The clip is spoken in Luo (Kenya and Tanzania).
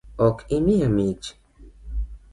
Ok imiya mich?